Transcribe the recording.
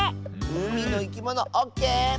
「うみのいきもの」オッケー！